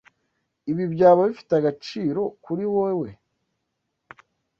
Ibi byaba bifite agaciro kuri wewe?